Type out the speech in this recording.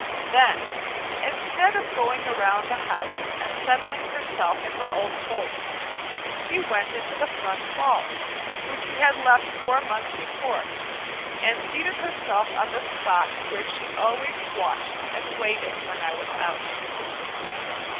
Then, instead of going around the house and settling herself in her old home, she went into the front hall which she had left four months before, and seated herself on the spot where she always watched and waited when I was out.